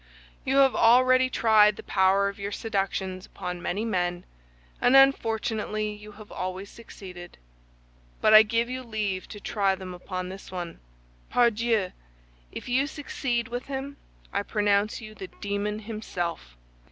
You have already tried the power of your seductions upon many men, and unfortunately you have always succeeded; but I give you leave to try them upon this one. Pardieu! if you succeed with him, I pronounce you the demon himself."